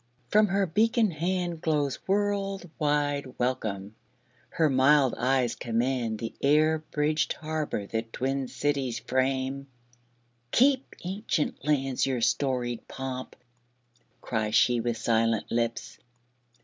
From her beacon hand Glows world wide welcome; her mild eyes command The air bridged harbor that twin cities frame. "Keep, ancient lands, your storied pomp!" cries she With silent lips.